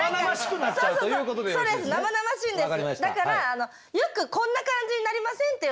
だからよくこんな感じになりません？